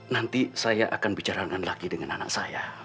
nanti saya akan bicara dengan laki dengan anak saya